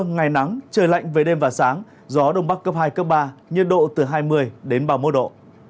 ngày nắng trời lạnh về đêm và sáng gió đông bắc cấp hai cấp ba nhiệt độ từ hai mươi đến ba mươi một độ